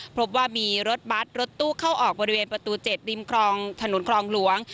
พบว่ามีรถบัตรรถตู้เข้าออกบริเวณประตู๗ริมคลองถนนคลองหลวง